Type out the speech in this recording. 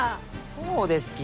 そうですき！